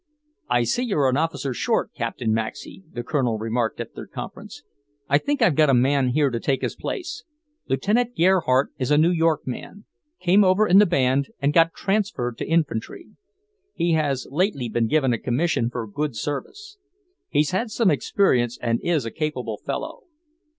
"I see you're an officer short, Captain Maxey," the Colonel remarked at their conference. "I think I've got a man here to take his place. Lieutenant Gerhardt is a New York man, came over in the band and got transferred to infantry. He has lately been given a commission for good service. He's had some experience and is a capable fellow."